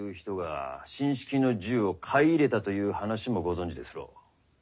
人が新式の銃を買い入れたという話もご存じですろう。